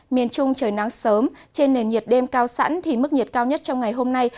miền trung trời nắng sớm trên nền nhiệt đêm cao sẵn thì mức nhiệt cao nhất trong ngày hôm nay